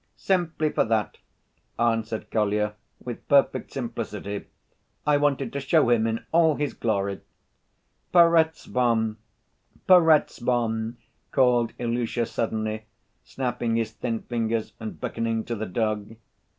"Simply for that!" answered Kolya, with perfect simplicity. "I wanted to show him in all his glory." "Perezvon! Perezvon," called Ilusha suddenly, snapping his thin fingers and beckoning to the dog.